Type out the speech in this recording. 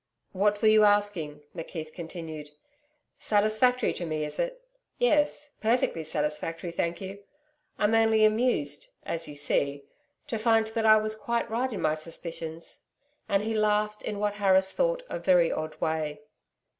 'What were you asking?' McKeith continued. 'Satisfactory to me is it? Yes, perfectly satisfactory, thank you.... I'm only amused as you see... to find that I was quite right in my suspicions.' And he laughed in what Harris thought a very odd way.